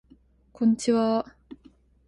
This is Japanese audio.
こんちはー